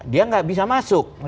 dia gak bisa masuk